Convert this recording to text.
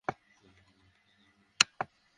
ওকে মরতে দেবেন না।